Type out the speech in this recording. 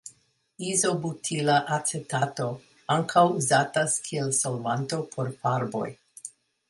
Izobutila acetato ankaŭ uzatas kiel solvanto por farboj.